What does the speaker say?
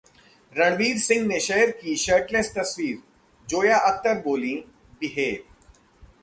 रणवीर सिंह ने शेयर की शर्टलैस तस्वीर, जोया अख्तर बोलीं- बिहेव